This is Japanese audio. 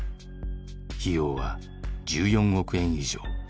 費用は１４億円以上。